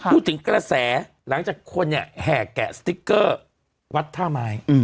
พูดถึงกระแสหลังจากคนเนี่ยแห่แกะสติ๊กเกอร์วัดท่าไม้